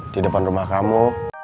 di depan rumah kamu